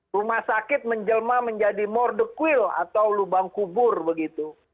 rumah sakit menjelma menjadi mordequil atau lubang kubur begitu